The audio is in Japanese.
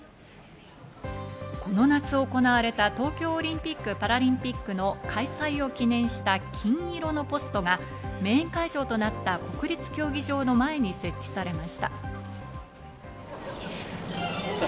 この夏行われた東京オリンピック・パラリンピックの開催を記念した金色のポストがメイン会場となった国立競技場の前に設置されました。